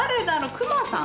クマさん？